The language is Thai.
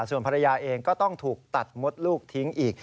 ส่วนภรรยาเองก็ต้องถูกตัดมดลูกทิ้งอีก